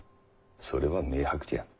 それは明白じゃ。